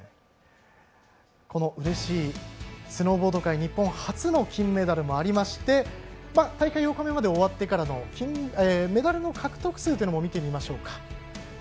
このうれしいスノーボード界日本初の金メダルもありまして大会８日目まで終わってのメダルの獲得数というのも見てみましょうか。